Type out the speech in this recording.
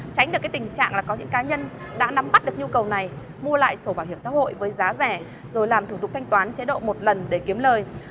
tránh được cái tình trạng là có những cá nhân đã nắm bắt được nhu cầu này mua lại sổ bảo hiểm xã hội với giá rẻ rồi làm thủ tục thanh toán chế độ một lần để kiếm lời